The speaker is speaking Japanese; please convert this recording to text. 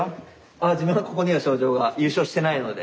あ自分はここには賞状は優勝してないので。